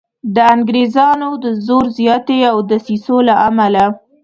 د انګریزانو د زور زیاتي او دسیسو له امله.